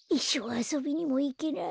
あそびにもいけない。